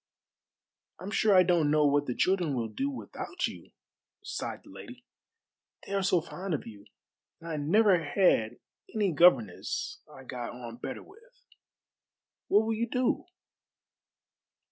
"I'm sure I don't know what the children will do without you," sighed the lady; "they are so fond of you, and I never had any governess I got on better with. What will you do?"